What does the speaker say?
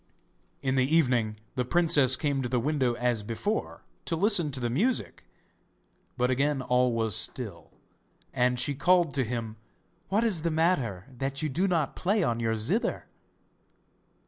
In the evening the princess came to the window as before to listen to the music, but again all was still; and she called to him: 'What is the matter that you do not play on your zither?